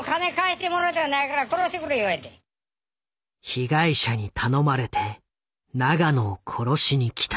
「被害者に頼まれて永野を殺しに来た」。